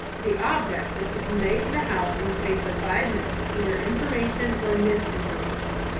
The object is to convey to the House in the space of five minutes either information or misinformation.